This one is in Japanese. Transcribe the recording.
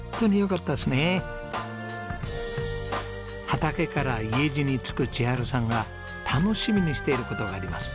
畑から家路につく千春さんが楽しみにしている事があります。